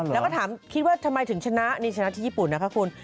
แล้วก็ถามคิดว่าทำไมถึงชนะนี่ชนะที่ญี่ปุ่นนะคะคุณ